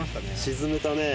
沈めたね